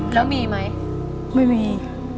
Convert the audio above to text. แล้วมีไหมไม่มี